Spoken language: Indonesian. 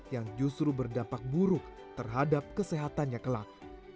yang justru berdampak buruk terhadap kesehatannya kelak